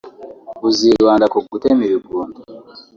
Buzibanda ku gutema ibigunda